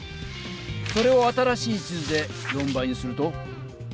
それを新しい地図で４倍にすると？